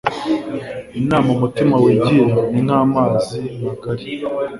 Inama umutima wigira ni nk’amazi magari